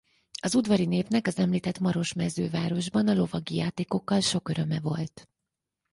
Az udvari népnek az említett Maros mezővárosban a lovagi játékokkal sok öröme volt.